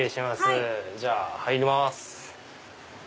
じゃあ入ります。